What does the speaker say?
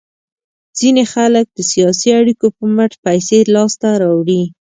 ځینې خلک د سیاسي اړیکو په مټ پیسې لاس ته راوړي.